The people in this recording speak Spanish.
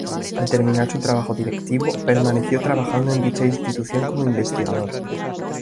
Al terminar su trabajo directivo, permaneció trabajando en dicha institución como investigador.